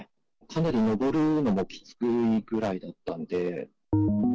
かなり登るのもきついくらいだったんで。